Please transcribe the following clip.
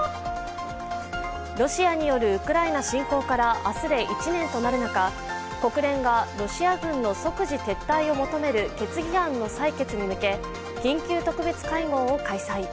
ロシアによるウクライナ侵攻から明日で１年となる中、国連がロシア軍の即時撤退を求める決議案の裁決に向け、緊急特別会合を開催。